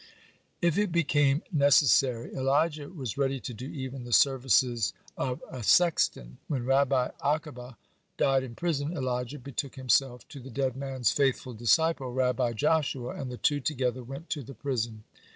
(61) If it became necessary, Elijah was ready to do even the services of a sexton. When Rabbi Akiba died in prison, Elijah betook himself to the dead man's faithful disciple, Rabbi Joshua, and the two together went to the prison.